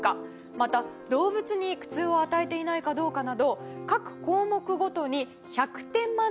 また動物に苦痛を与えていないかどうかなど各項目ごとに１００点満点で表示されます。